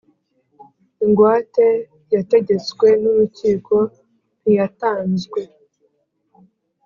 Ingwate yategetswe n urukiko ntiyatanzwe